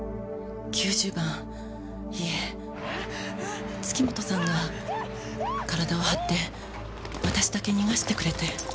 ９０番いえ月本さんが体を張って私だけ逃がしてくれて。